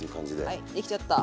はいできちゃった。